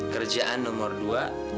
kerjaan nomor dua